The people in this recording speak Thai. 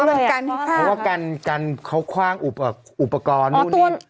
เพราะว่าการกันเขาคว่างอุปกรณ์นู่นนี่